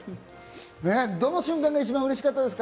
どの瞬間が一番うれしかったですか？